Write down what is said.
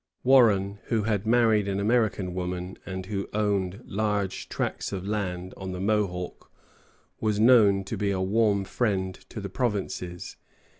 Warren, who had married an American woman and who owned large tracts of land on the Mohawk, was known to be a warm friend to the provinces.